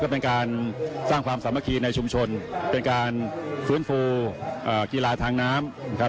เป็นการสร้างความสามารถแข่งของชุมชนเป็นการฟื้นฟูกีฬาทางน้ำ